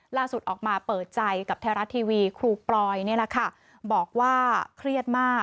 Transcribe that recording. ล่าสุดออกมาเปิดใจกับแท้รัฐทีวีครูปลอยบอกว่าเครียดมาก